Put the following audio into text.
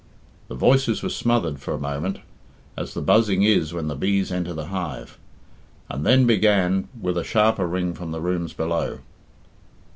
The voices were smothered for a moment (as the buzzing is when the bees enter the hive), and then began with as sharper ring from the rooms below.